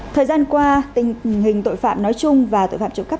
thời gian qua tình hình tội phạm nói chung và tội phạm trộm cắp